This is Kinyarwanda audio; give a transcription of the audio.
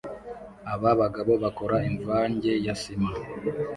Aba bagabo bakora imvange ya sima